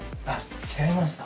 違いました。